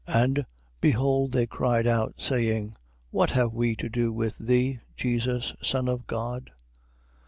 8:29. And behold they cried out, saying: What have we to do with thee, Jesus Son of God?